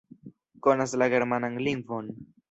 Konas la germanan lingvon.